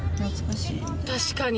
確かに。